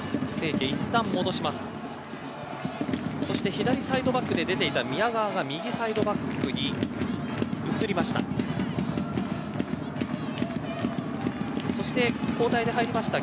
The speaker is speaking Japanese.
左サイドバックで出ていた宮川が右サイドバックに移りました。